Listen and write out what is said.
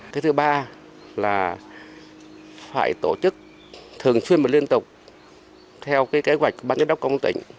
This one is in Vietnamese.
cái thứ ba là phải tổ chức thường xuyên và liên tục theo kế hoạch ban chế đốc công tỉnh